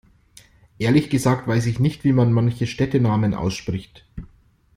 Ehrlich gesagt weiß ich nicht, wie man manche Städtenamen ausspricht.